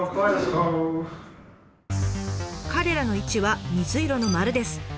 彼らの位置は水色の丸です。